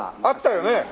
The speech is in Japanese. あったよね？